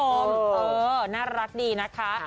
น่ารักดีนะคะ